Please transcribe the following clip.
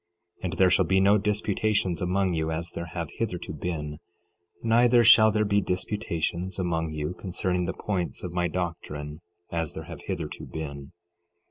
And there shall be no disputations among you, as there have hitherto been; neither shall there be disputations among you concerning the points of my doctrine, as there have hitherto been.